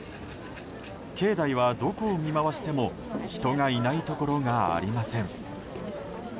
境内はどこを見回しても人がいないところがありません。